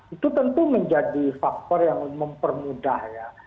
itu tentu menjadi faktor yang mempermudah ya